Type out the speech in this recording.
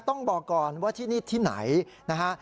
ต้องบอกก่อนว่าที่นี่ที่ไหนนะฮะ